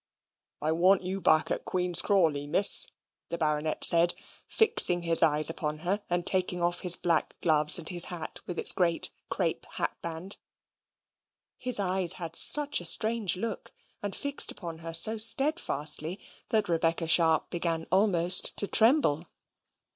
"I wawnt you back at Queen's Crawley, Miss," the baronet said, fixing his eyes upon her, and taking off his black gloves and his hat with its great crape hat band. His eyes had such a strange look, and fixed upon her so steadfastly, that Rebecca Sharp began almost to tremble.